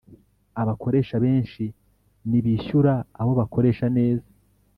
Abakoresha benshi ni bishyura abo bakoresha neza